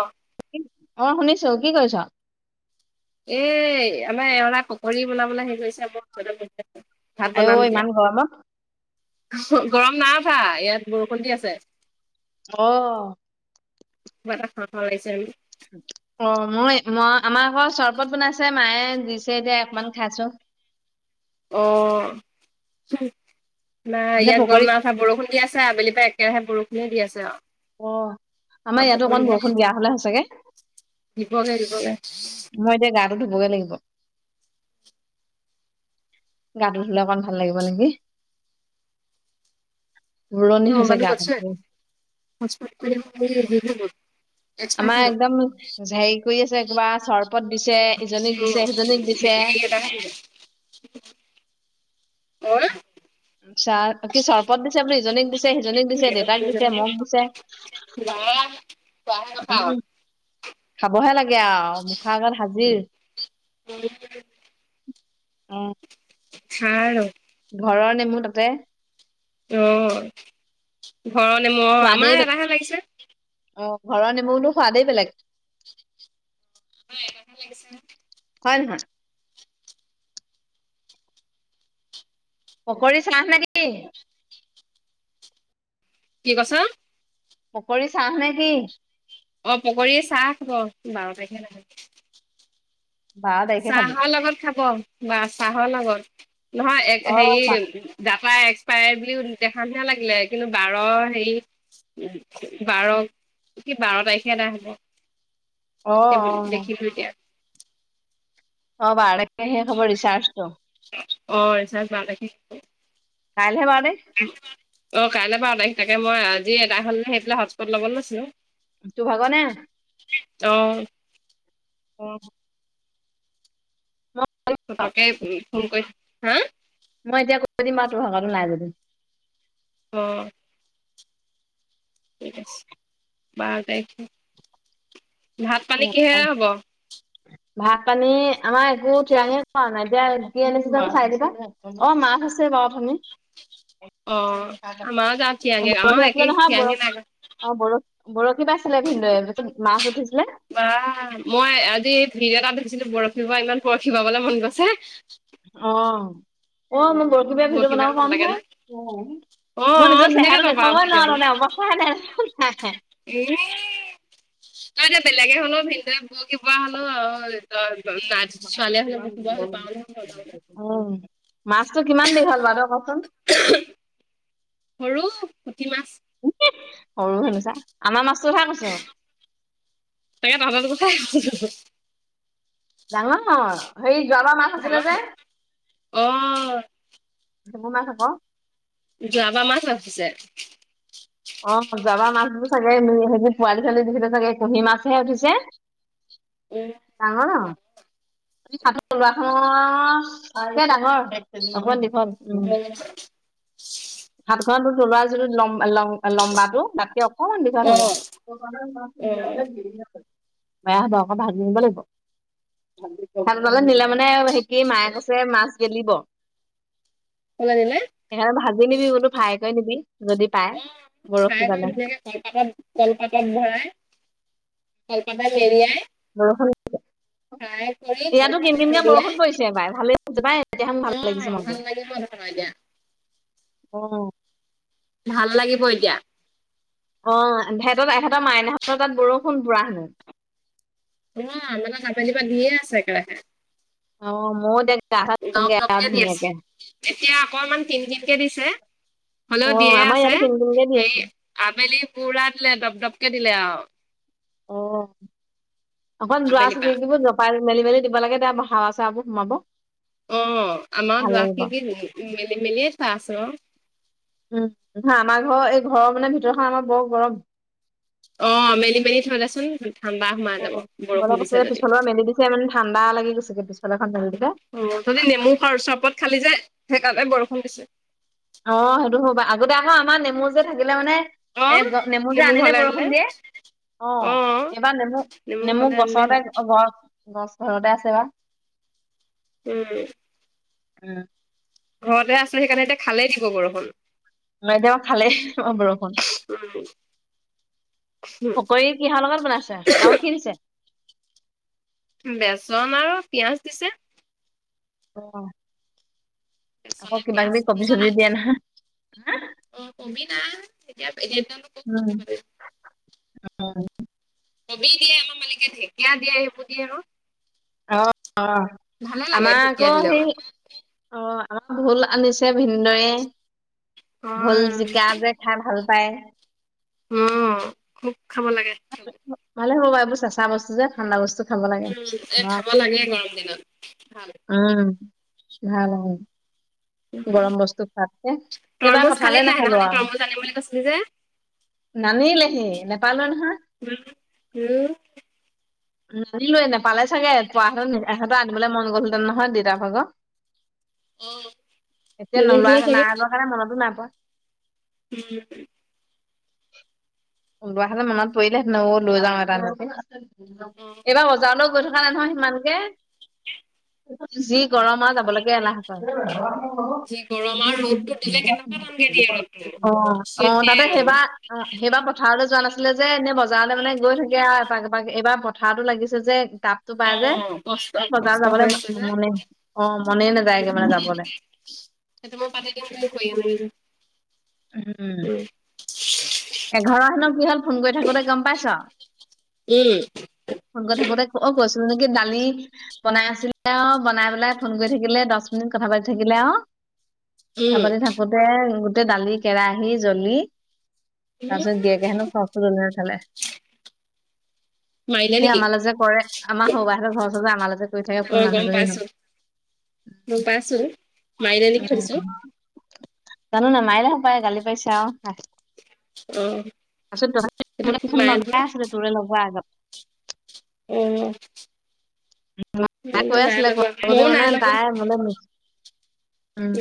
অ অ শুনিছো কি কৰিছ এ আমাৰ এওৰা পকৰী বনাবলৈ হেৰি কৰিছে ক যো-জা কৰিছে ভাত আইও বনাম ইমান এতিয়া গৰমত। গৰম নাই উঠা ইয়াত বৰষুণ দি আছে অ কিবা এটা খাও খাও লাগিছে আজি অ মই মই আমাৰ আকৌ চৰ্বত বনাইছে মায়ে দিছে এতিয়া একমান খাইছো অ না যে ইয়াত গৰম পকৰি না উঠা বৰষুণ দি আছে আবেলি পা একেৰাহে বৰষুনে দি আছে আওঁ অ', আমাৰ ইয়াতো অকমান বৰষুণ দিয়া হ'লে সঁচাকে। দিবগে-দিবগে। মই এতিয়া গাটো ধুবগে লাগিব। গাটো ধুুলে অকমান ভাল লাগিব নিকি। বুৰণি তোৰ হৈছে মবাইলটো গা কত আছে ধুই। ঐ হস্পট টো দে মোৰ শেষ হৈ গল এক্সপায়াৰ আমাৰ হৈ গ'ল একদম হেৰি কৰি আছে কিবা চৰ্বত দিছে ইজনীক দিছে সিজনীক দিছে [unintelligible] অআ চাহ কি চৰ্বত দিছে বোলে ইজনীক দিছে সিজনীক দিছে দেউতাক দিছে মোক দিছে বাহ, খোৱাৰ হে কথা আও উম খাবহে লাগে আঔ মুখ আগত হাজিৰ [unintelligible] উম খা আৰু ঘৰৰ নেমূ্ তাতে। অ', ঘৰৰ নেমু অ', সোৱাদেই আমাৰ বেলেগ। এটাহে লাগিছে। অ', ঘৰৰ নেমুনো সোৱাদেই বেলেগ। আমাৰ এটাহে লাগিছে। হয় নহয়। পকৰী চ্লাহ নে কি। কি কৈছ পকৰি চাহ নে কি। অ', পকৰীয়ে চাহ খাব, বাৰ তাৰিখে বাৰ তাৰিখে খাবি। চাহৰ লগত খাব বা চাহৰ লগত, নহয় এ হেৰি অ' চাহ ডাটা এক্সপায়াৰ বুলি দেখা নিচিনা লাগিলে কিন্তু বাৰৰ হেৰি', উম', বাৰ কি বাৰ তাৰিখে এদাই হ'ব', অ' এ', বুলি অ'। দেখিলোঁ এতিয়া', অ', বাৰ তাৰিখে শেষ হ'ব ৰিচাৰ্জটো', অ', ৰিচাৰ্জ বাৰ তাৰিখে শেষ হ'ব', কাইলেহে বাৰ তাৰিখ। অ', কাইলে বাৰ তাৰিখ, তাকে মই আজি এদাই হ'ল বুলি ভাবি পেলাই হটস্পট ল'ব লৈছিলো। তোৰ ভাগৰনে। অ'। অ'। তহঁতকে উম', ফোন কৰি, হা', মই এতিয়া কৈ দিম বা তোৰ ভাগৰটো নাই যদিও', অহ', ঠিক আছে, বাৰ তাৰিখে, ভাত পানী কিহেৰে হ'ব? ভাত পানী, আমাৰ একো থিৰাঙে কৰা নাই দিয়া, এতিয়া কি আনিছে বাৰু চাই লওঁ পাই', অ', মাছ আছে বাৰু অথনি', অ', আমাৰো যে থিয়াঙে, বৰশী আমাৰো বাইছিলে একেই নহয় বৰ থিয়াঙে নাই কৰা', অ', বৰশ- বৰশী বাইছিলে ভিন্দৱে, মাছ উঠিছিলে', বাহ', মই আজি ভিডিঅ' এটাত দেখিছিলোঁ বৰশী বোৱা, ইমান বৰশী বাবলে মন গৈছে', অ', অ', মই বৰশী', কিবা ভিডিঅ' বাই বনাব ভাল পাম লাগে ন নহয়, উম', অ মই অ নিজৰ ধুনীয়াকে চেহেৰাটো পাবা দেখুৱাবই ভিডিঅ'লে নোৱাৰো তাৰপা', নাই', -নাই', হিঃ', -হিঃ', নাই', -নাই', এনেই', তই এতিয়া বেলেগে হ'লেওঁ ভিন্দৱে বৰশী বোৱা হ'লেও ওই তই না', মাছটো কিমান দীঘল বুলি সোধিছে বুলি ক চোন, অহ', -উম', মাছটো কিমান দীঘল বাৰু তই কচোন? উহু', সৰু পুঠি মাছ', উম', কি', সৰু শুনিছা, আমাৰ মাছটোৰ কথাহে কৈছোঁ', তাকে, তহঁতৰ ভাবিছোঁ', ডাঙৰ, সেই যোৱাবাৰ মাছ আছিলে ডাঙৰ যে', নি? অ ভেঙোন মাছ হ'ব', যোৱাবাৰ মাছ ৰাখিছে', অ', যোৱাবাৰ মাছবোৰ চাগে সেইবোৰ পোৱালি ছোৱালী দিছিলে চাগে কুহি মাছহে উঠিছে', উম ডাঙৰ- ডাঙৰ', এ', হাতৰ তলুৱাখনৰ সমান মাছ, তাতকে ডাঙৰ অকমান দীঘল', [unintelligible] হাতখন তোৰ তলুৱা যদি লম', অহ', লং', অ', লম্বাটো তাতকে অকমান দীঘল অ হ'ব', অ বেয়া হ'ব, আকৌ ভাজি নিব লাগিব', ভাল পালে নিলে মানে সেটি, মায়ে কৈছে মাছ গেলিব', কেনেকুৱা নিলে? সেইকাৰণে ভাজি নিবি বোলোঁ, ফ্ৰাই কৰি নিবি যদি পায় বৰশী জালে', কল', -কলপাতত ভৰাই, কলপাতত মেৰিয়াই', বৰষুণ নিদিব', ফ্ৰাই কৰি ইয়াতো কিন কলপাতত কিনকে মেৰিয়াই বৰষুণ পৰিছে বাই ভালে যাই এতিয়াহছ ভাল লাগিছে মনটো', ইয়াতে নাইদিয়া', অহ', ভাল লাগিব এতিয়া', অ', হেতৰ', এহেতৰ মাইনাহেতৰ তাত বৰষুণ পুৰা হেনোঁ', উম', ইহঁতৰ যোৱাকালিৰ পৰা দিয়ে আছে একেৰাহে', অ', মইও দে গা চা দপ ধোওগে আৰু দপকে দি আছে। ধুনিয়াকে এতিয়া অকমান কিন- কিনকে দিছে, অ হ'লেও দিয়ে আমাৰ আছে ইয়াতো কিন কিনকে দি হেই', আছে আবেলি পুৰা দিলে দপ- দপকে দিলে আৰু', অ', অকণ আবেলি দোৱাৰ পা খিৰিকীবোৰ জপা', পাত মেলি মেলি দিব লাগে দে হাৱা চাৱাবোৰ সোমাব অ আমাৰ ভাল দোৱা লাগিব খিনক মেলি মেলিয়ে থোৱা আছো অ উম', -উম', আমাৰ ঘৰ এই ঘৰৰ মানে ভিতৰখন আমাৰ বৰ গৰম', অহ', অ মেলি মেলি থৈ দেচোন ঠাণ্ডা সোমাই যাব বৰষুণ দিছে যদি। চাধৰ খন মেলিলিযে অ গধূলি নেমু খৰ চৰবত খালি যে সেইকাৰণে বৰষুণ দিছে। অ সেইটো হ'ব পায় আগতে আহা আমাৰ নেমু, যে থাকিলে মানে। এ নেমু যে আনিলে বৰষুণ দিয়ে। অ এইবাৰ নেমু, নেমু ঘৰলে আনিলে গছতে হ'ল। গহ গছ ঘৰতে আছে বা উম উম ঘৰতে আছিলো সেইকাৰণে এতিয়া খালেই দিব বৰষুণ মেঘে, খালেই দিব‌ বৰষুণ, উম, পকৰি কিহৰ লগত বনাইছে আও কি দিছে? বেচন আৰু পিঁয়াজ দিছে অ আকৌ বেচনে কিবা পিয়াজ কিবি কবি শুনিছ চবি নাই? দিয়া নহয় হা অ কবি না তেতিয়া এতিয়া বেগেতনো উম অ কবি, দিয়ে আমাৰ মালিকে ঢেকীয়া, দিয়ে সেইবোৰ দিয়ে ক অ অ ভালে লাগে আমাৰ আকৌ ঢেকীয়া দিলেও। সেই। অ আমাৰ ভোল আনিছে ভিনদেৱে ভোল অ', জিকা যে। খাই ভাল পায়। উ খুব খাব লাগে। ভালে হ'ব বা এইবোৰ চেঁচা বস্তু যে ঠাণ্ডা বস্তু। খাব লাগে উম এ অ খাব লাগে গৰম দিনত ভাল। উম ভাল আও উম। গৰম বস্তু খোৱোতকে এইবাৰ তৰমুজ খালি কঠালে নাই সেইদিনাখনি নাখালো আও তৰমুজ আনিম বুলি কৈছিলি যে নানিলেহি নেপালোৱে নহয়। উম উম, নানিলোৱে নোপালে চাগে পোৱা এহত আনিবলৈ মন গলহঁতেন নহয় দেউতা ভাগ উম এতিয়া নেদেখিলে নোলোৱা চাগে নাই লোৱা কাৰণে মনতো নাপায়। হোম উলোৱা হলে মনত পৰিলে হেতেন অও লৈ যাও এটালৈকে উম এইবাৰ বজাৰলৈও গৈ থকা নাই নহয় সিমানকে যি গৰম আৰু যাব লেকে এলাহক কৰে। [unintelligible] যি গৰম আৰু ৰ'দটো দিলে কেনেকুৱা [unintelligible] টানকে দিয়ে ৰ'দটো অ অ আচৰিত দিয়ে তাতে ৰ'দ সেইবা। অ সেইবাৰ পথাৰলৈ যোৱা নাছিলে যে এনেই বজাৰলে মানে গৈ থাকে আও এপাক এইবাৰ পথাটো লাগিছে যে গাপ। টো অ পাই যে কষ্ট এ বজাৰ কষ্ট যাবলৈ হৈ আছে যে মনে অ মনে নাযায়গে মানে যাবলে সেইটো মই পাতি দিম তুমি কৈ আনাগৈ যোৱা। উম। এঘৰহেন কি হল ফোন কৰি থাকোতে গম পাইছ। উম। ফৌন কৰি থাকোঁতে অ কৈছিলো নেকি দালি বনাই আছিলে অ বনাই পেলাই ফোন কৰি থাকিলে দহ মিনিট কথা পাতি থাকিলে অ। কথা উম উম পাতি থাকোতে গোটেই দালি কেৰাহী জ্বলি। তাৰপিছত গিয়কে হেনো চশজন খালে। মাৰিলে এই নেকি আমাৰলে যে কৰে আমাৰ সৰু বা হতৰঁ ঘৰৰ ওচৰ যে আমাৰ কৰি থাকে অ কোন গম মানুহজনী ঘৰ। পাইছো গম পাইছো। মাৰিলে নেকি উম সুধিছো জানো নাই মায়িলেহে পায় গালি পাইছে আও। অ পাছত তহতি সেইটো মোলে খুব ফোন মাৰে লগাই নহয় আছিলে তোলে লগোৱা আগত। উম। মাই কৈ আছিলে ক লগোৱা দৈ ময়ো মানে নাই লগোৱা তাই মানে উম।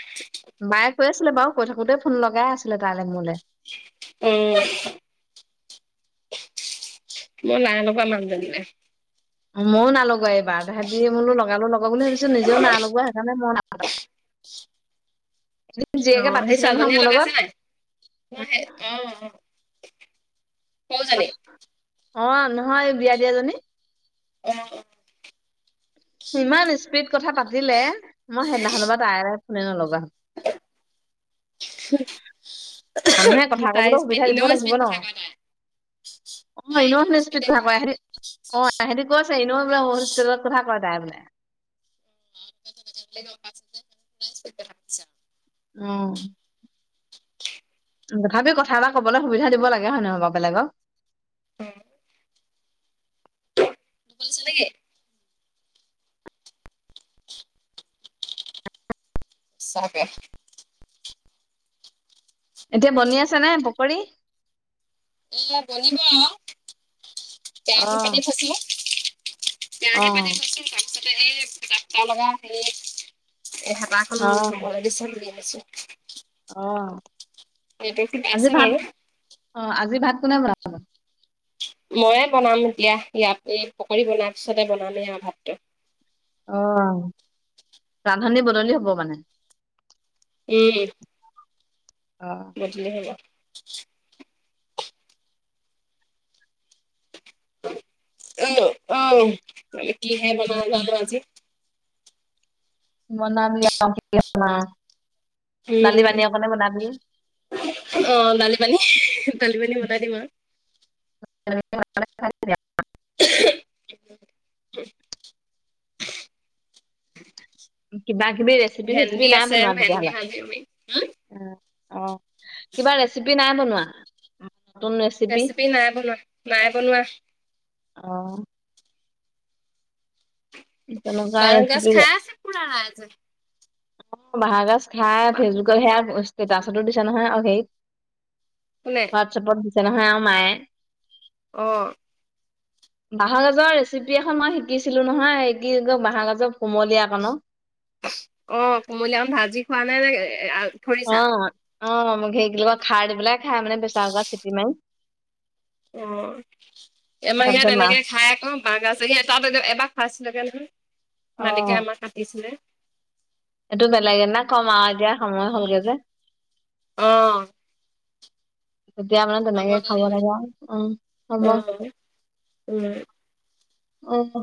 [inaudible] মায়ে কৈ আছিলে বাৰু কৈ থাকোতে ফোন লগাই আছিলে তাইলে মোলে। উম। মই নাই লগোৱা মানুহজনীলে। ময়ো নাই লগোৱা এইবাৰ তাহেঁতি মোৰ লগালো লগা বুলি ভাবিছো নিজেও নাই লগোৱা সেইকাৰণে মই। অ জীয়েকে সেই পাতিছিলে নহয় মোৰ ছোৱালজনজনীয়ে লগাইছে লগত নাই সে অঁ। অ অ নহয় বিয়া দিয়া জনী। অঁ অঁ। ইমান স্পীড কথা পাতিলে মই সেইদিনাখন পা তাইলে ফোনে নলগা হ'ল। মানুহে [inaudible] কথা তাই কবলৈ স্পীড সুবিধা দিব এনেও স্পীড কথা কয় তাই। অঁ তাই এনো হেঁতি এনেও ইচপিদ স্পীডে কথা কয় হেঁতি। অ সিহঁতি কৈছে এনো বোলে হস্পিটেলত কথা কয় তাই বোলে। [unintelligible] উম তথাপি কথা এটা ক'বলৈ সুবিধা দিব লাগে হয় নহয় বেলেগক- উম তোকাল লাগে [unintelligible] সচাকে এতিয়া বনি আছে নে পকৰী। এয়া বনিব আৰু, অ কেয়াহী পাতি থ‌ইছো। অ কেয়াহী পাতি থৈছো তাৰপিছতে এই তটা লগা হে এ হাঁহ। আম অ ধ'ব ল দিছে বুলি আছো। অঁ। সেইটো কিবা আছে বাৰু। অ আজি ভাত কোনে বনাব। ম‌ইয়ে বনাম এতিয়া ইয়াত এই পকৰি বনাৰ পিছতে বনামেই আৰু ভাতটো। অ ৰান্ধনি বদলি হব মানে। উম। অ। বদলি হব। আহ আহ মান কিহে বনাব জানো আজি। নামা [unintelligible] উম, অ দালি পানী দালি পানী মেলাই দিম আৰু। [unintelligible] [unintelligible] কিবা কিবি ৰেচিপি চেচেপি ভেন্দি নাই আছে বনোৱা ভেন্দি ভাজিম হম তেতিয়াহ'লে। অ কিবা ৰেচিপি নাই বনোৱা। ৰেচিপি নাই বনোৱা নাই বনোৱা। অঁ তেনেকুৱা বা গাছ ৰেচিপি খাই আছে পুৰা আজ- অ বাহঁ গাজ খাই বা- ফেচবুকত সেয়া ষ্টেটাচতো দিছো নহয় আৰু হেৰি - কোনে? হোৱাটছএপত দিছে নহয় আৰু মায়ে। অ। বাহৰ গাজৰ ৰেচিপি এখন মই শিকিছিলো নহয় এই কি কয় বাঁহৰ গাজৰ কুমলীয়া ক ন। অ কুমলিয়ান ভাজি খোৱা নে ন। অঁ অঁ মোক হেৰি কি খাৰ দি পেলাই খাই মানে পেচাকোকাৰত চিটি মাৰি- অ। আমাৰ তাৰ পিছত ইয়াত মাছ এনেকে খাই আকৌ বাঁহগাজ [unintelligible] এ তাত এবাৰ খাইছিলেগে নহয়। মালিকে অ', আমাক কাটিছিলে। এইটো বেলেগে এদিনা কম আও। এতিয়া সময় হ'লগে যে। অ তেতিয়া মানে হ'ব তেনেকে খাব দে লাগা, উম হ'ব। অ উম উম হু।